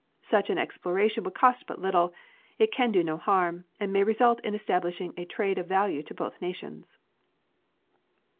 Such an exploration would cost but little; it can do no harm, and may result in establishing a trade of value to both nations.